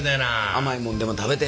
甘いもんでも食べて。